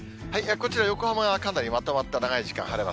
こちら、横浜はかなりまとまった長い時間、晴れます。